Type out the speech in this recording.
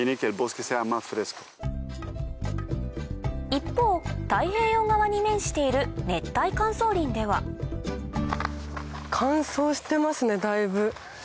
一方太平洋側に面している熱帯乾燥林ではだいぶ。